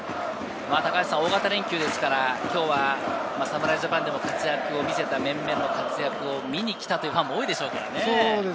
大型連休ですから今日は侍ジャパンでの活躍を見せた面々の活躍を見に来たというファンも多いでしょうからね。